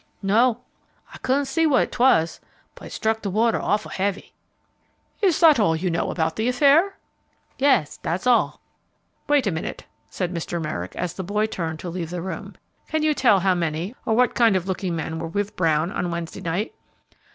"No, I couldn't see what 'twas; but it struck the water awful heavy." "Is that all you know about the affair?" "Yas, that's all." "Wait a moment," said Mr. Merrick, as the boy turned to leave the room. "Can you tell how many, or what kind of looking men were with Brown on Wednesday night?"